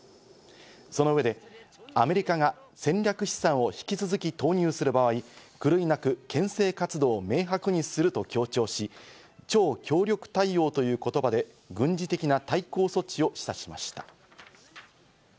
その上でアメリカが戦略資産を引き続き投入する場合、狂いなく、けん制活動を明白にすると強調し、超強力対応という言葉で軍事的な対抗措置を示唆しました。